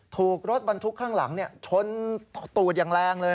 ถูกรถบรรทุกข้างหลังชนตูดอย่างแรงเลย